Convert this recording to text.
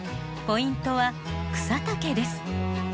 ポイントは草丈です。